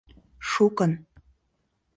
— Шукын.